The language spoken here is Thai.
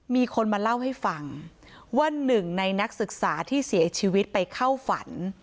มีคนมาเล่าให้ฟังว่าหนึ่งในนักศึกษาที่เสียชีวิตไปเข้าฝัน